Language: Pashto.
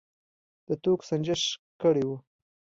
د توکو سنجش کړی و.